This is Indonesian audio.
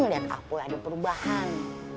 liat aku ada perubahan